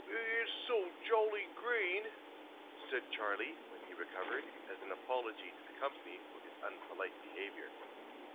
"He is so jolly green!" said Charley when he recovered, as an apology to the company for his unpolite behaviour.